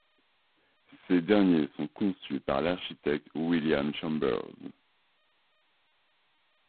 Ces derniers sont conçus par l'architecte William Chambers.